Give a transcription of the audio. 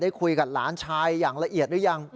คุยกับหลานชายอย่างละเอียดหรือยัง